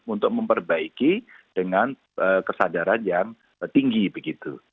untuk memperbaiki dengan kesadaran yang tinggi begitu